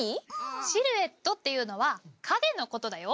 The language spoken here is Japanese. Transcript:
シルエットっていうのは影のことだよ。